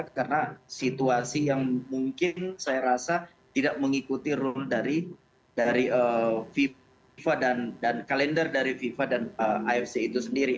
karena situasi yang mungkin saya rasa tidak mengikuti rule dari kalender dari fifa dan afc itu sendiri